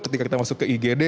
ketika kita masuk ke igd